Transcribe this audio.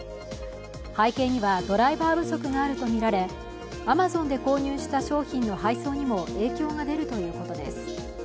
背景にはドライバー不足があるとみられアマゾンで購入した商品の配送にも影響が出るということです。